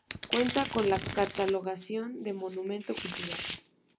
Cuenta con la catalogación de monumento cultural.